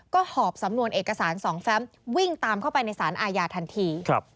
ก็หอบสำนวนเอกสาร๒แฟมวิ่งตามเข้าไปในสารอาญาทันที